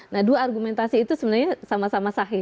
nah dua argumentasi itu sebenarnya sama sama sahih